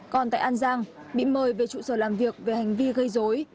còn tại an giang bị mời về trụ sở làm việc về hành vi gây dối